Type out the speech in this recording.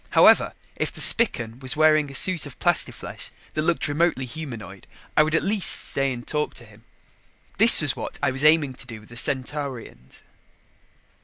However, if the Spican was wearing a suit of plastiflesh that looked remotely humanoid, I would at least stay and talk to him. This was what I was aiming to do with the Centaurians.